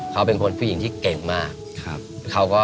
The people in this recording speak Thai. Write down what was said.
เขาเป็นคนผู้หญิงที่เก่งมาก